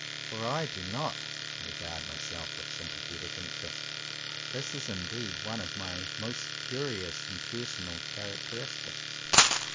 For I do not regard myself with sympathetic interest. This is indeed one of my most curious and personal character istics.